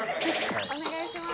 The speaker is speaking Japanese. お願いします。